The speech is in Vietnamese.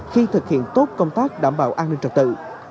khi thực hiện tốt công tác đảm bảo an ninh trật tự